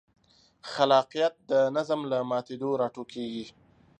خلاقیت د نظم له ماتېدو راټوکېږي.